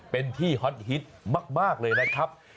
เป็นที่ฮอตฮิตมากเลยนะครับ